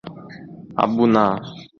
আব্বু, না।